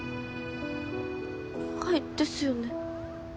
はいですよね。